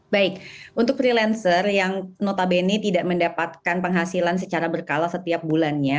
baik untuk freelancer yang notabene tidak mendapatkan penghasilan secara berkala setiap bulannya